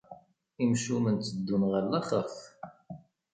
Imcumen tteddun ɣer laxert.